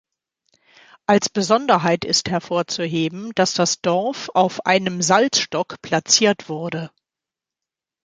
Als Besonderheit ist hervorzuheben, dass das Dorf auf einem Salzstock platziert wurde.